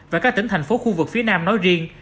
và các tỉnh thành phố khu vực phía nam nói riêng